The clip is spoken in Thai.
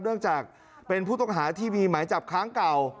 เนื่องจากเป็นผู้ต้องหาที่มีหมายจับค้างเก่า